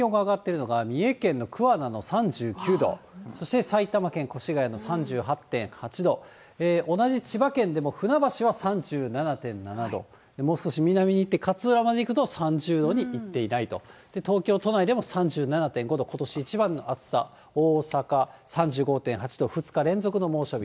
午後３時２０分の時点で、一番気温が上がっているのが、三重県の桑名の３９度、そして埼玉県越谷の３８．８度、同じ千葉県でも船橋は３７．７度、もう少し南に行って、勝浦まで行くと３０度いってないと、東京都内でも３７．５度、ことし一番の暑さ、大阪３５．８度、２日連続の猛暑日。